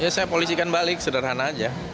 saya polisikan balik sederhana saja